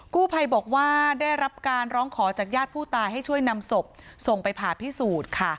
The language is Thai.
กู้ภัยบอกว่าได้รับการร้องขอจากญาติผู้ตายให้ช่วยนำศพส่งไปผ่าพิสูจน์ค่ะ